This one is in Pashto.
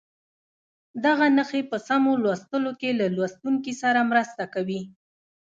دغه نښې په سمو لوستلو کې له لوستونکي سره مرسته کوي.